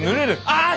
ああ！